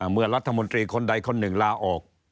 เมื่อรัฐมนตรีคนใดคนหนึ่งลาออก